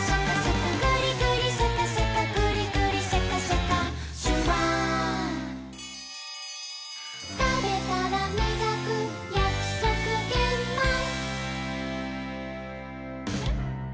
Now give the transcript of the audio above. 「グリグリシャカシャカグリグリシャカシャカ」「シュワー」「たべたらみがくやくそくげんまん」